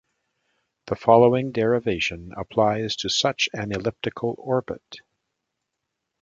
The following derivation applies to such an elliptical orbit.